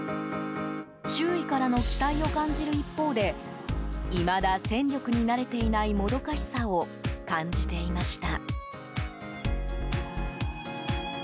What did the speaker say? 周囲からの期待を感じる一方でいまだ戦力になれていないもどかしさを感じていました。